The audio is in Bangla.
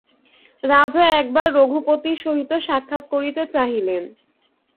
রাজা একবার রঘুপতির সহিত সাক্ষাৎ করিতে চাহিলেন।